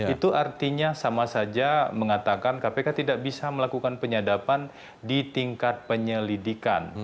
itu artinya sama saja mengatakan kpk tidak bisa melakukan penyadapan di tingkat penyelidikan